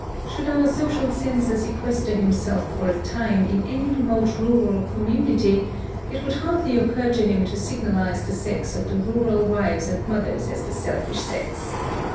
Should our social censor sequester himself for a time in any remote rural community, it would hardly occur to him to signalize the sex of the rural wives and mothers as the selfish sex.